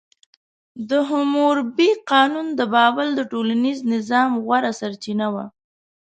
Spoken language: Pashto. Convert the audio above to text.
د حموربي قانون د بابل د ټولنیز نظم غوره سرچینه وه.